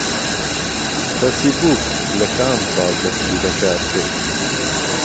فەسیبووک لە کام ساڵ دەستی بەکار کرد؟